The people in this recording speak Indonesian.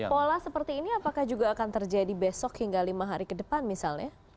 pola seperti ini apakah juga akan terjadi besok hingga lima hari ke depan misalnya